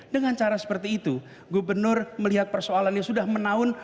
dengan cara seperti itu gubernur melihat persoalannya sudah menaun